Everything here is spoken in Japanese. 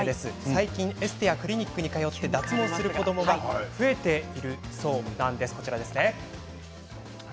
最近エステやクリニックに通って脱毛をする子どもが増えているそうなんです。